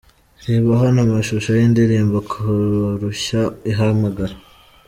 Reba hano amashusho y'indirimbo 'Karushya ihamagara'.